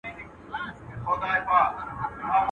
په پردي وطن کي گوز واچوه، ځني ولاړ سه.